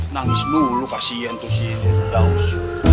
nangis mulu kasihan tuh si daud